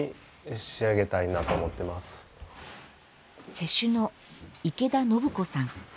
施主の池田暢子さん。